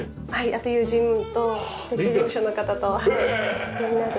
あと友人と設計事務所の方とみんなで。